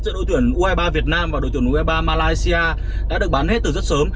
giữa đội tuyển ueba việt nam và đội tuyển ueba malaysia đã được bán hết từ rất sớm